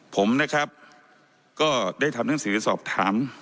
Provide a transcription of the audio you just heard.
ผมนะครับก็ได้ทำหนังสือสอบถาม